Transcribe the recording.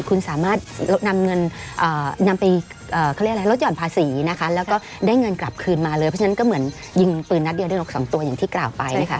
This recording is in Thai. คุณสามารถนำไปรถหย่อนภาษีแล้วก็ได้เงินกลับคืนมาเลยเพราะฉะนั้นก็เหมือนยิงปืนนักเดียวด้วยนก๒ตัวอย่างที่กล่าวไป